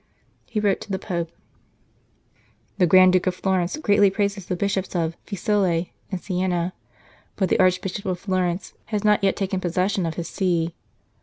He wrote to the Pope : "The Grand Duke of Florence greatly praises the Bishops of Fiesole and Sienna, but the Arch bishop of Florence has not yet taken possession of his See.